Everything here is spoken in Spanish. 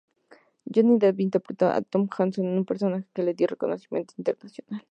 Johnny Depp interpretó a Tom Hanson, un personaje que le dio reconocimiento internacional.